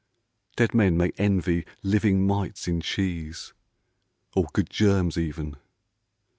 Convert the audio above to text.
Dead men may envy living mites in cheese, Or good germs even.